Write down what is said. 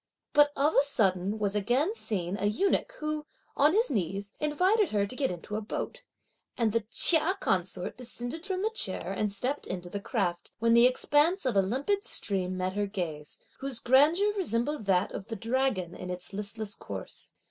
But of a sudden was again seen a eunuch who, on his knees, invited her to get into a boat; and the Chia consort descended from the chair and stepped into the craft, when the expanse of a limpid stream met her gaze, whose grandeur resembled that of the dragon in its listless course.